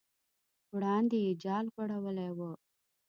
وړاندې یې جال غوړولی و.